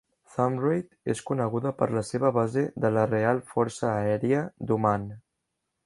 Thumrait és coneguda per la seva base de la Real Força Aèria d'Oman.